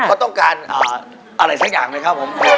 เขาต้องการอะไรสักอย่างเลยครับผม